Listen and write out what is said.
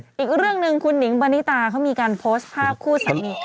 เพราะเรื่องหนึ่งคุณนิ๊งบันหนิตาเขามีการโพสทธิ์ภาพคู่สนิท